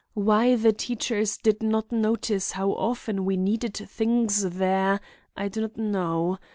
Why the teachers did not notice how often we needed things there, I do not know.